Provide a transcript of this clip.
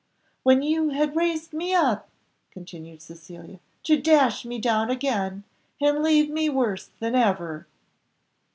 "When you had raised me up," continued Cecilia, "to dash me down again, and leave me worse than ever!"